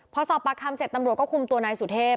พอสอบปรักษ์คำ๗ตำรวจก็คุมตัวนายสุเทพ